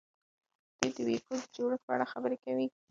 دوی د وییکو د جوړښت په اړه خبرې کوي.